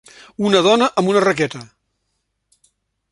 Una dona amb una raqueta.